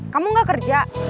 kamu gak kerja